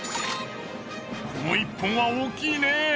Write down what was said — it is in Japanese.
この１本は大きいね。